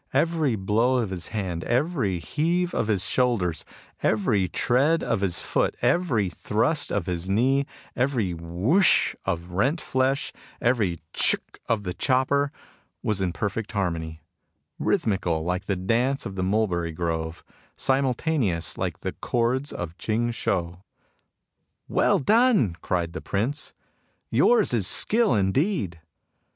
Every blow of his hand, every heave of his shoulders, every tread of his foot, every thrust of his knee, every whshh of rent flesh, every chhk of the chopper, was in perfect harmony, — rhythmical like the dance of the Mulberry Grove, simultaneous like the chords of the Ching Shou. " Well done I " cried the Prince ;" yours is skill indeed."